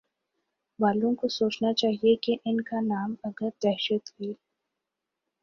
والوں کو سوچنا چاہیے کہ ان کانام اگر دہشت کی